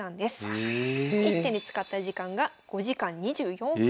１手に使った時間が５時間２４分。